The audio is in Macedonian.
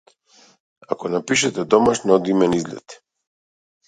Ако напишете домашно одиме на излет.